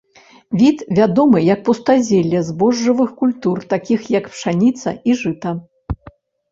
Від вядомы як пустазелле збожжавых культур, такіх як пшаніца і жыта.